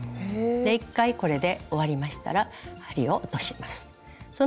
で一回これで終わりましたら針を落とします。